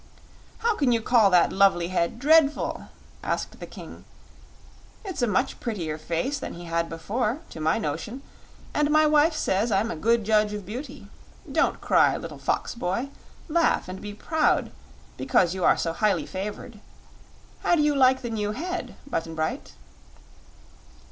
"How can you call that lovely head dreadful?" asked the King. "It's a much prettier face than he had before, to my notion, and my wife says I'm a good judge of beauty. Don't cry, little fox boy. Laugh and be proud, because you are so highly favored. How do you like the new head, Button Bright?"